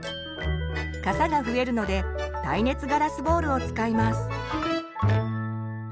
かさが増えるので耐熱ガラスボウルを使います。